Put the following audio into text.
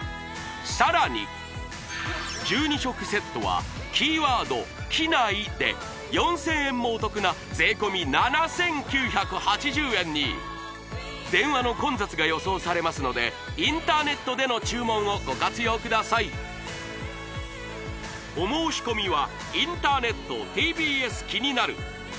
さらに１２食セットはキーワード「ＫＩＮＡＩ」で４０００円もお得な税込７９８０円に電話の混雑が予想されますのでインターネットでの注文をご活用くださいといわれる美容ケアをご紹介したいと思います近未来？